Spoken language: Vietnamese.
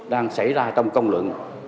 đang xảy ra trong công lượng